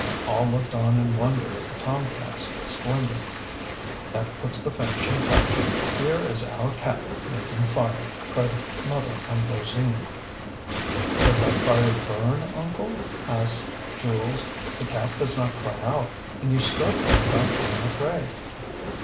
All looked on in wonder at the tom catŌĆÖs splendor. ŌĆ£That puts the finishing touch! Here is our cat making fire! ŌĆØ cried Mother Ambroisine. ŌĆ£Does that fire burn, Uncle? ŌĆØ asked Jules. ŌĆ£The cat does not cry out, and you stroke him without being afraid.